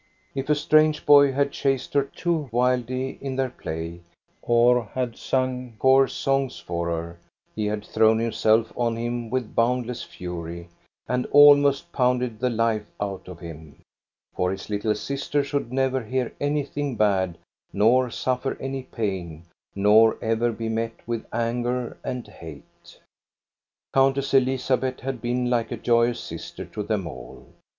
If strange boy had chased her too wildly in their play ir had sung coarse songs for her, he had thrown himself on him with boundless fury and almost pounded the life out of him, for his little sister should never hear anything bad nor suffer any pain nor ever be met with anger and hate. Countess Elizabeth had been like a joyous sister to them all.